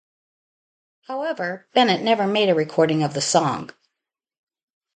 However, Bennett never made a recording of the song.